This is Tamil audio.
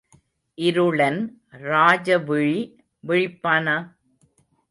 இருளன் ராஜவிழி விழிப்பானா?